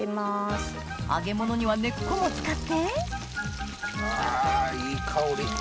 揚げ物には根っこも使ってあいい香り！